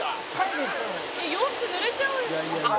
「洋服ぬれちゃう」